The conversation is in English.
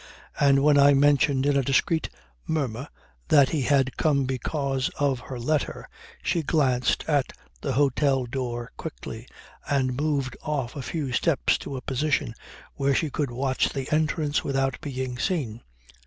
And when I mentioned in a discreet murmur that he had come because of her letter she glanced at the hotel door quickly, and moved off a few steps to a position where she could watch the entrance without being seen.